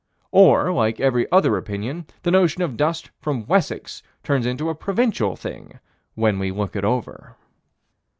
Or, like every other opinion, the notion of dust from Wessex turns into a provincial thing when we look it over.